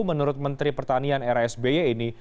menurut menteri pertanian rasby ini